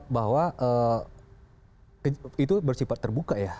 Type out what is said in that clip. bahwa itu bersifat terbuka ya